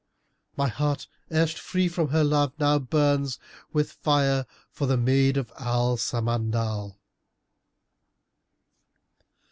My heart, erst free from her love, now burns * With fire for the maid of Al Samandal."